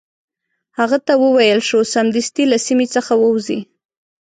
هغه ته وویل شو سمدستي له سیمي څخه ووزي.